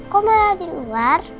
kau mana lagi luar